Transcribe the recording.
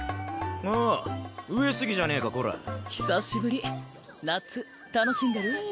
おおっ上杉じゃねえかこら久しぶり夏楽しんでる？